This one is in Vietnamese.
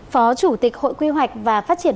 phó chủ tịch hội quy hoạch và phát triển